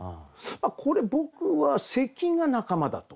これ僕は咳が仲間だと。